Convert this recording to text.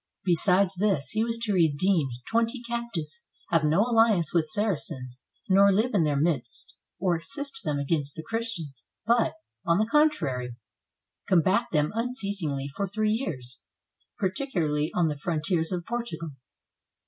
Besides this, he was to redeem twenty captives, have no alliance with Saracens, nor live in their midst, or assist them against the Christians, but, on the contrary, combat them unceasingly for three years, particularly on the frontiers of Portugal.